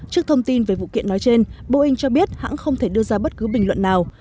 trước thông tin về vụ kiện nói trên boeing cho biết hãng không thể đưa ra bất cứ bình luận nào